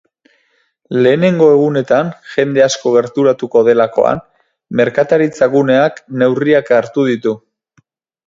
Lehenengo egunetan jende asko gerturatuko delakoan, merkataritza guneak neurriak hartu ditu.